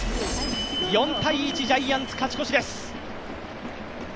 ４−１、ジャイアンツ勝ち越しです。